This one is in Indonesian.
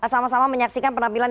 sama sama menyaksikan penampilan